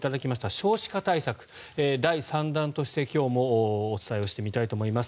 少子化対策第３弾として今日もお伝えしてみたいと思います。